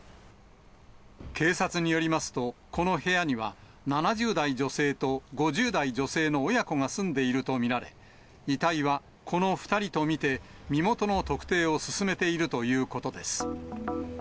警察によりますと、この部屋には、７０代女性と５０代女性の親子が住んでいると見られ、遺体はこの２人と見て、身元の特定を進めているということです。